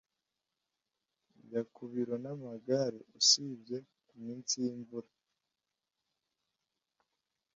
Njya ku biro n'amagare usibye ku minsi y'imvura.